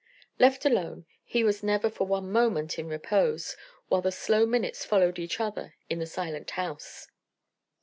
Left alone, he was never for one moment in repose, while the slow minutes followed each other in the silent house.